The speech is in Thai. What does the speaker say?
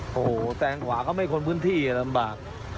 โอ้โหแซงขวาก็ไม่คนพื้นที่ลำบาก